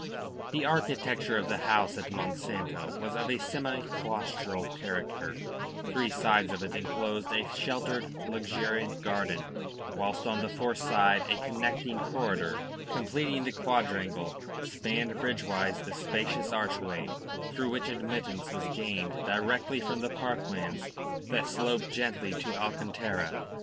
The architecture of the house at Monsanto was of a semiclaustral character; three sides of it enclosed a sheltered luxuriant garden, whilst on the fourth side a connecting corridor, completing the quadrangle, spanned bridgewise the spacious archway through which admittance was gained directly from the parklands that sloped gently to Alcantara.